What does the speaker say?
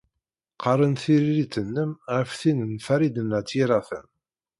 Qaren tiririt-nnem ɣer tin n Farid n At Yiraten.